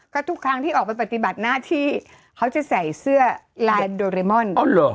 ก็ทุกครั้งที่ออกไปปฏิบัติหน้าที่เขาจะใส่เสื้อลายโดเรมอน